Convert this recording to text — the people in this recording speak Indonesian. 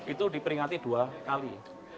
itu diperingati dua kali